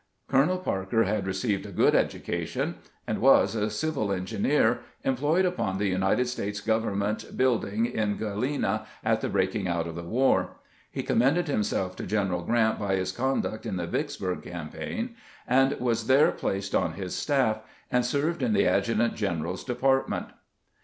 Colonel Parker had received a good education, and was a civil engineer employed upon the United States government building in Gralena at the breaking out of the war. He commended himself to General Grrant by his conduct in the Vieksburg campaign, and was there placed on his staff, and served in the adjutant general's department.